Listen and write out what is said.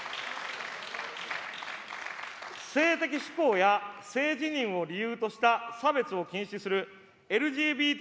性的指向や性自認を理由とした差別を禁止するＬＧＢＴ